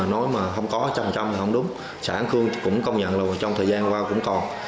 nói mà không có trăm trăm là không đúng xã an khương cũng công nhận là trong thời gian qua cũng còn